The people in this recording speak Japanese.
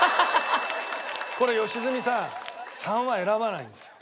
これ良純さん３は選ばないんですよ。